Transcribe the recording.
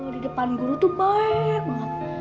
di depan guru tuh baik banget